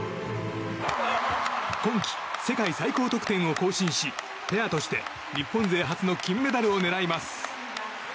今季世界最高得点を更新しペアとして日本勢初の金メダルを狙います。